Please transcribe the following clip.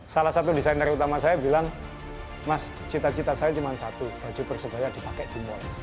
salah satu desainer utama saya bilang mas cita cita saya cuma satu baju persebaya dipakai di mall